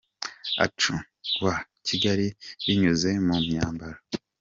acu wa Kigali binyuze mu myambaro.